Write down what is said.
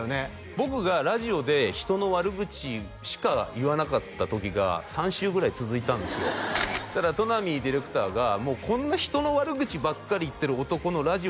僕がラジオで人の悪口しか言わなかった時が３週ぐらい続いたんですよそしたら戸波ディレクターが「こんな人の悪口ばっかり言ってる男のラジオを」